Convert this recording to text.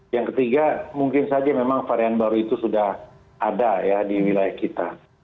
yang ketiga mungkin saja memang varian baru itu sudah ada ya di wilayah kita